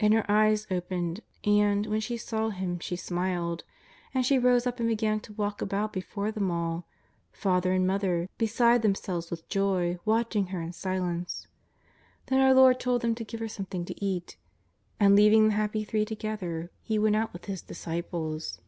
And her eyes opened, and, when she saw Him she smiled. And she rose up and began to walk about be fore them all ; father and mother, beside themselves with joy, watching her in silence. Then our Lord told them to give her something to eat. And, leaving the happy three together, He went out with His disci ples.